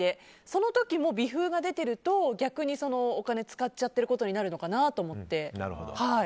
その時も微風が出てると逆にお金使っちゃってることになるのかなと思って。